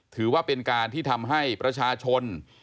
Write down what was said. ถือว่าเป็นการที่ทำให้ประชาชน